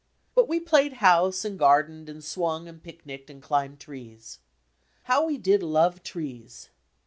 But we played house and gardened and swung and picnicked and climbed trees. How we did love trees!